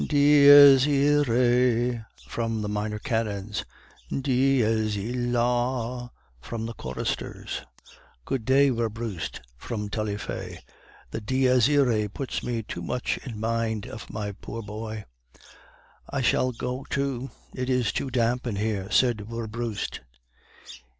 "Dies iroe! (from the minor cannons). Dies illa! (from the choristers). "'Good day, Werbrust (from Taillefer), the Dies iroe puts me too much in mind of my poor boy.' "'I shall go too; it is too damp in here,' said Werbrust.